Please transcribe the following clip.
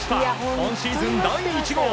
今シーズン第１号！